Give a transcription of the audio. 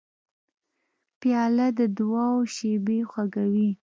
پیاله د دعاو شېبې خوږوي.